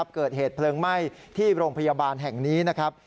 เกิดเหตุเพลิงไหม้ที่โรงพยาบาลแห่งนี้นะครับ